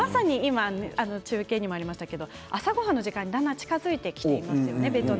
中継にもありましたけど朝ごはんの時間にだんだん近づいてきていますよね。